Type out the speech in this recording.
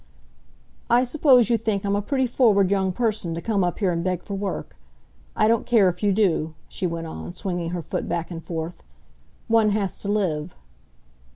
"I suppose you think I'm a pretty forward young person to come up here and beg for work. I don't care if you do," she went on, swinging her foot back and forth. "One has to live."